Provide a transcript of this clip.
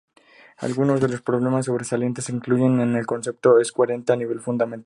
Algunos de los problemas sobresalientes incluyen: ¿es el concepto es coherente a nivel fundamental?